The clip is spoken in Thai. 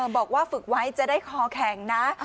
บอกว่าฝึกไว้จะได้คอแข็งนะ